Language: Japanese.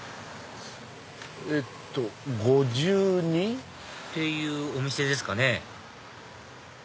「５２」？っていうお店ですかね